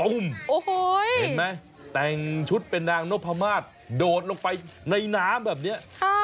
โอ้โหเห็นมั้ยแต่งชุดเป็นนางโนภามาสโดดลงไปในน้ำแบบนี้